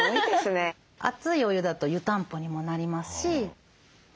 熱いお湯だと湯たんぽにもなりますし。